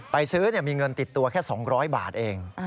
ไปซื้อมีเงินติดตัวแค่๒๐๐บาทเอง